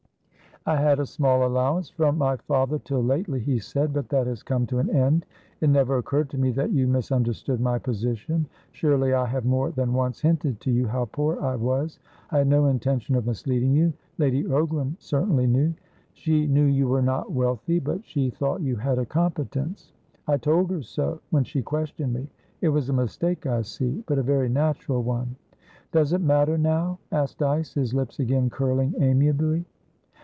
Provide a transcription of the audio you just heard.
"I had a small allowance from my father till lately," he said. "But that has come to an end. It never occurred to me that you misunderstood my position. Surely I have more than once hinted to you how poor I was? I had no intention of misleading you. Lady Ogram certainly knew" "She knew you were not wealthy, but she thought you had a competence. I told her so, when she questioned me. It was a mistake, I see, but a very natural one." "Does it matter, now?" asked Dyce, his lips again curling amiably.